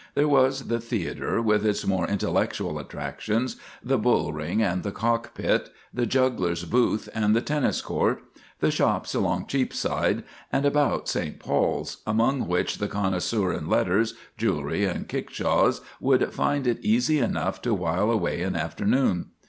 There was the theatre, with its more intellectual attractions; the bull ring and the cockpit; the juggler's booth and the tennis court; the shops along Cheapside and about St. Paul's, among which the connoisseur in letters, jewellery, and kickshaws would find it easy enough to while away an afternoon.